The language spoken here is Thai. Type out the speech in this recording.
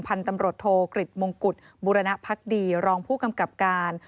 พันธุ์ตำรวจโทกฤษมงกุฎบุรณพักดีรองผู้กำกับการ